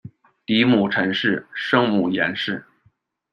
嫡母陈氏；生母颜氏。